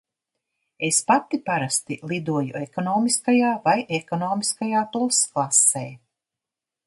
Es pati parasti lidoju ekonomiskajā vai ekonomiskajā plus klasē.